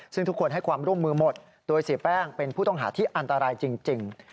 ซึ่งทุกคนให้ความร่วมมือหมดโดยเสียแป้งเป็นผู้ต้องหาที่อันตรายจริง